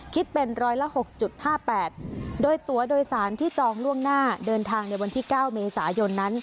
คิดเป็นร้อยละ๖๕๘โดยตัวโดยสารที่จองล่วงหน้าเดินทางในวันที่๙เมษายนนั้น